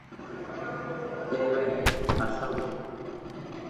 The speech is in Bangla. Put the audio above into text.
প্যেব্যাক, আছো?